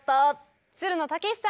つるの剛士さんです。